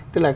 tức là cái